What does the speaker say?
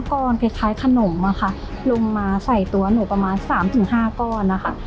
คล้ายขนมอะค่ะลงมาใส่ตัวหนูประมาณสามถึงห้าก้อนอะค่ะ